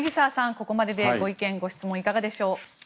ここまででご意見・ご質問いかがでしょう。